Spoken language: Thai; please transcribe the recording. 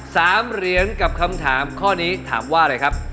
สามเหรียญกับคำถามข้อนี้ถามว่าอะไรครับ